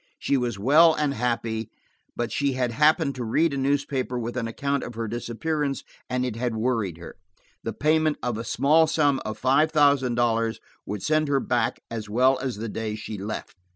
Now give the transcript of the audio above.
She was well and happy, but she had happened to read a newspaper with an account of her disappearance, and it had worried her. The payment of a small sum of five thousand dollars would send her back as well as the day she left.